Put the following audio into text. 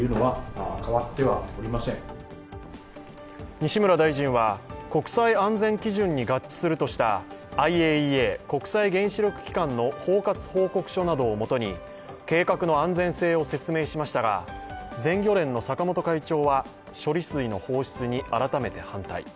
西村大臣は国際安全基準に合致するとしたＩＡＥＡ＝国際原子力機関の包括報告書などをもとに計画の安全性を説明しましたが全漁連の坂本会長は処理水の放出に改めて反対。